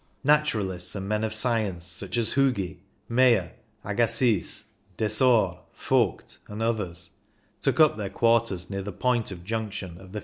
Naturalists and men of science such as Hugi, Meyer, Agassiz, Desor, Vogt, and others, took up their quarters near the point of junction of the F.